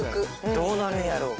どうなるんやろう？